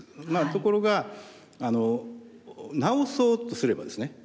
ところが治そうとすればですね